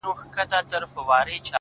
پرمختګ د ثبات او بدلون توازن دی؛